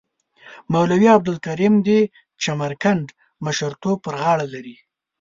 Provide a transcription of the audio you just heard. مولوی عبدالکریم د چمرکنډ مشرتوب پر غاړه لري.